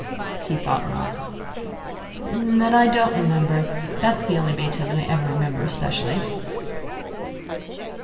He thought not. "Then I don't remember. That's the only Beethoven I ever remember specially."